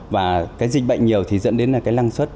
và cái dịch bệnh nhiều thì dẫn đến là cái lăng suất